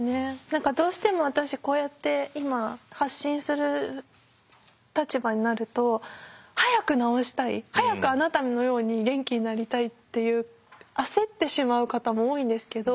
何かどうしても私こうやって今発信する立場になると早く治したい早くあなたのように元気になりたいっていう焦ってしまう方も多いんですけど。